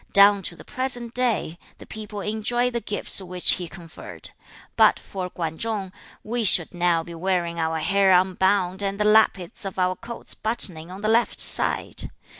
Down to the present day, the people enjoy the gifts which he conferred. But for Kwan Chung, we should now be wearing our hair unbound, and the lappets of our coats buttoning on the left side.